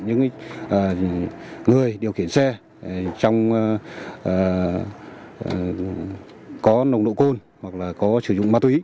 những người điều khiển xe trong có nồng độ côn hoặc là có sử dụng ma túy